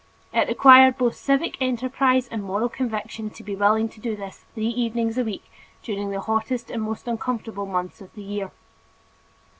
It required both civic enterprise and moral conviction to be willing to do this three evenings a week during the hottest and most uncomfortable months of the year.